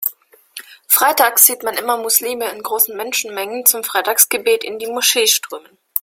Freitags sieht man immer Muslime in großen Menschenmengen zum Freitagsgebet in die Moschee strömen.